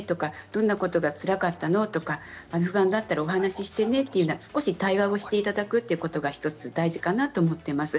どんなことがつらかったの？とか不安だったらお話ししてねと対応をしていただくことが１つ大事かなと思っています。